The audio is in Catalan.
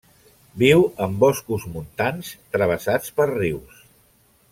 Viu en boscos montans travessats per rius.